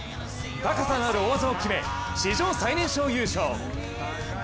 高さのある大技を決め史上最年少優勝。